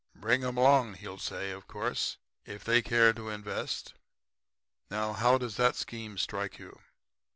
"'"Bring 'em along," he'll say, of course, "if they care to invest." Now, how does that scheme strike you?'